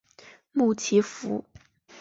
穆奇福。